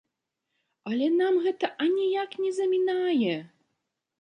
Але нам гэта аніяк не замінае!